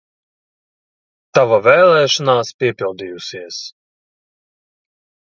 Tava vēlēšanās piepildījusies!